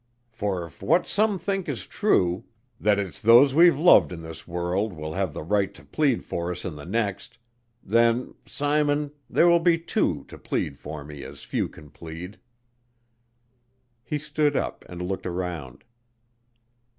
For if what some think is true that it's those we've loved in this world will have the right to plead for us in the next then, Simon, there will be two to plead for me as few can plead." He stood up and looked around.